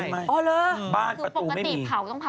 คือปกติเผาให้หมดครับพี่